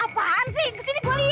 apaan sih kesini gue liat